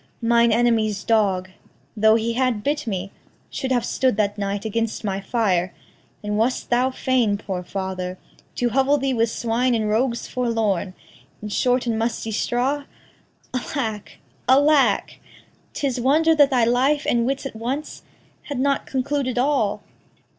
Mine enemy's dog, Though he had bit me, should have stood that night Against my fire; and wast thou fain, poor father, To hovel thee with swine and rogues forlorn, In short and musty straw? Alack, alack! 'Tis wonder that thy life and wits at once Had not concluded all.